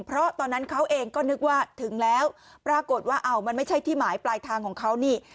เพราะตอนนั้นเขาเองก็นึกว่าถึงแล้วปรากฏว่าอ้าวมันไม่ใช่ที่หมายปลายทางของเขานี่